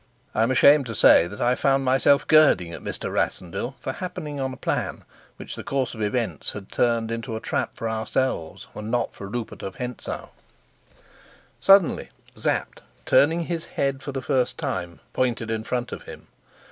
I am ashamed to say that I found myself girding at Mr. Rassendyll for happening on a plan which the course of events had turned into a trap for ourselves and not for Rupert of Hentzau. Suddenly Sapt, turning his head for the first time, pointed in front of him.